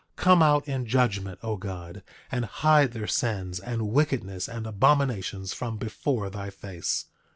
Come out in judgment, O God, and hide their sins, and wickedness, and abominations from before thy face!